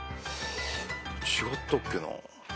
違ったっけな。